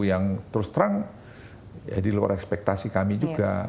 yang terus terang ya diluar ekspektasi kami juga